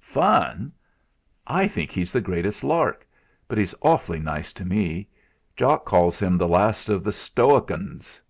"Fun!" "I think he's the greatest lark; but he's awfully nice to me. Jock calls him the last of the Stoic'uns."